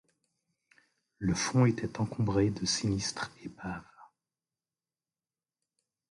Le fond était encombré de sinistres épaves.